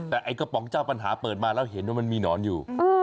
แต่ไอ้กระป๋องเจ้าปัญหาเปิดมาแล้วเห็นว่ามันมีหนอนอยู่